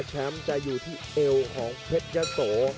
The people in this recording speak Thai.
แชมป์จะอยู่ที่เอวของเพชรยะโส